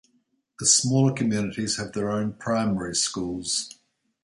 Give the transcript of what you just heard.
The smaller communities have their own primary schools.